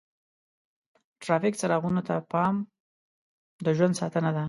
د ټرافیک څراغونو ته پام د ژوند ساتنه ده.